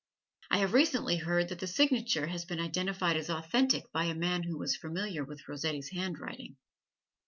I have recently heard that the signature has been identified as authentic by a man who was familiar with Rossetti's handwriting.